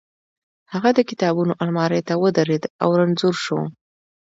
هغه د کتابونو المارۍ ته ودرېد او رنځور شو